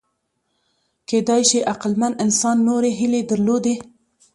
کېدای شي عقلمن انسان نورې هیلې درلودې.